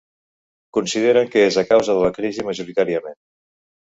Consideren que és a causa de la crisi, majoritàriament.